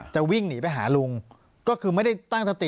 จะวิ่งหนีไปหาลุงก็คือไม่ได้ตั้งสติ